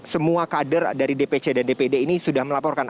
semua kader dari dpc dan dpd ini sudah melaporkan